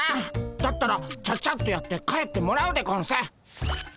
だったらちゃちゃっとやって帰ってもらうでゴンス。